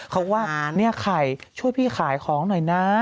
เขาก็ว่าเนี่ยไข่ช่วยพี่ขายของหน่อยนะ